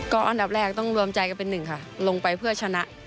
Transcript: ก็อันดับแรกต้องรวมใจกันเป็นหนึ่งค่ะลงไปเพื่อชนะ